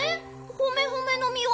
ホメホメのみは？